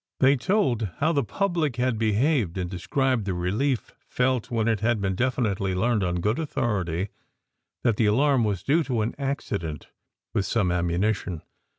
They told how the public had behaved, and described the relief felt when it had been definitely learned on good authority that the alarm was due to an accident with some ammunition.